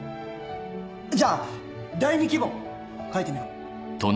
じゃあ第２希望書いてみろ。